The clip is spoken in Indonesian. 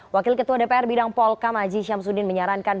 wakil ketua dpr bidang polkam aziz syamsuddin menyarankan